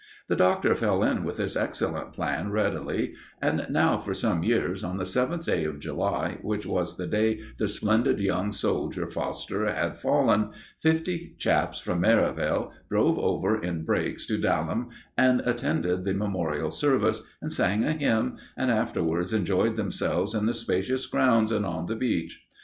The Doctor fell in with this excellent plan readily, and now for some years, on the seventh day of July, which was the day the splendid young soldier Foster had fallen, fifty chaps from Merivale drove over in brakes to Daleham and attended the memorial service, and sang a hymn, and afterwards enjoyed themselves in the spacious grounds and on the beach.